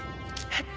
えっ？